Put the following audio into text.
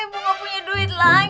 ibu gak punya duit lagi